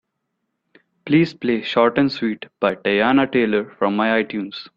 Please play Short And Sweet by Teyana Taylor from my itunes.